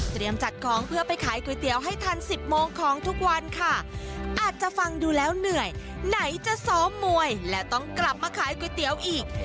จัดของเพื่อไปขายก๋วยเตี๋ยวให้ทันสิบโมงของทุกวันค่ะอาจจะฟังดูแล้วเหนื่อยไหนจะซ้อมมวยและต้องกลับมาขายก๋วยเตี๋ยวอีก